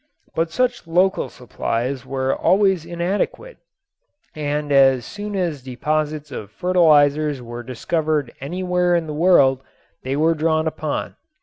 But such local supplies were always inadequate and as soon as deposits of fertilizers were discovered anywhere in the world they were drawn upon.